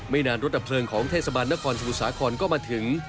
นานรถดับเพลิงของเทศบาลนครสมุทรสาครก็มาถึง